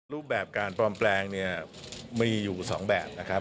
รูปแบบการปลอมแปลงเนี่ยมีอยู่๒แบบนะครับ